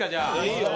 いいよ。